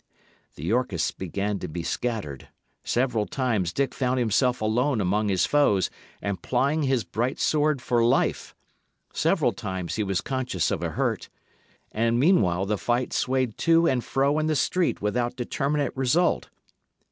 The Yorkists began to be scattered; several times Dick found himself alone among his foes and plying his bright sword for life; several times he was conscious of a hurt. And meanwhile the fight swayed to and fro in the street without determinate result.